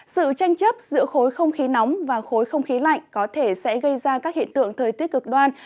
sự tranh chấp giữa khối không khí nóng và khối không khí lạnh có thể sẽ gây ra các hiện tượng thời tiết cực đoan